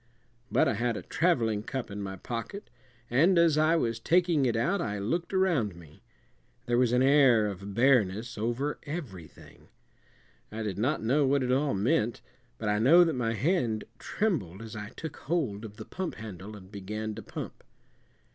But I had a traveling cup in my pocket, and as I was taking it out I looked around me. There was an air of bareness over everything. I did not know what it all meant, but I know that my hand trembled as I took hold of the pump handle and began to pump.